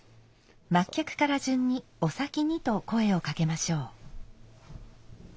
末客から順に「お先に」と声をかけましょう。